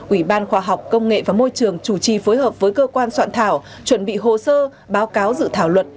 ủy ban khoa học công nghệ và môi trường chủ trì phối hợp với cơ quan soạn thảo chuẩn bị hồ sơ báo cáo dự thảo luật